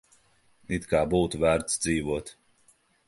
It kā būtu vērts dzīvot.